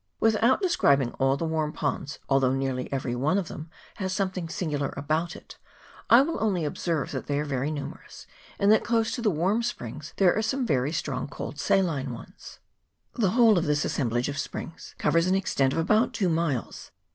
Without describing all the warm ponds, although nearly every one of them has something singular about* it, I will only observe that they are very numerous, and that close to the warm springs there are some very strong cold saline ones. 342 HOT SPRINGS NEAR [PART II. The whole of this assemblage of springs covers an extent of about two square miles.